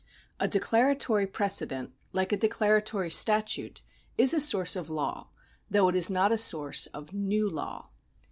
A declaratory precedent, like a declaratory statute, is a source of law, though it is not a source of new law.